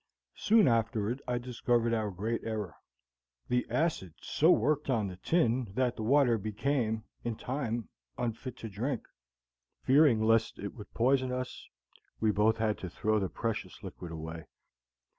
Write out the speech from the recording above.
Soon afterward I discovered our great error. The acid so worked on the tin that the water became, in time, unfit to drink; fearing lest it would poison us, we both had to throw the precious liquid away.